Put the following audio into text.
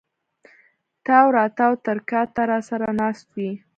تااو تراو تر کا ته را سر ه ناست وې